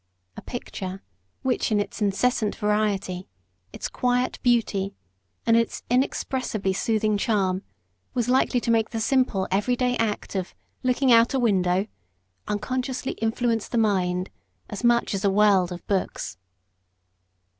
A picture, which in its incessant variety, its quiet beauty, and its inexpressibly soothing charm, was likely to make the simple, everyday act of "looking out o' window," unconsciously influence the mind as much as a world of books.